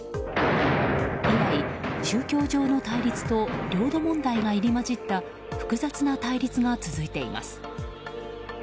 以来、宗教上の対立と領土問題が入り混じった複雑な対立が続いています。